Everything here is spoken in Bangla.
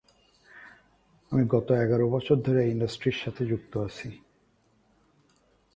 এই পার্কের প্রধানতম বৈশিষ্ট্য হচ্ছে সম্পূর্ণ প্রাকৃতিক পরিবেশে পাখি পর্যবেক্ষণ।